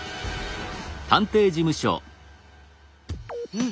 うん。